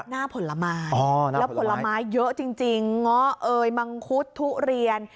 หน้าผลไม้แล้วผลไม้เยอะจริงมังคุดทุเรียน